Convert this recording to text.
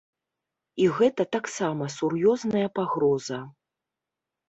І гэта таксама сур'ёзная пагроза.